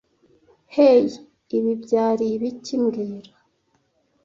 Hey, ibi byari ibiki mbwira